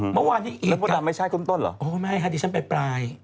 เมื่อวานนี้อีกกับไม่ฉันไปปลาย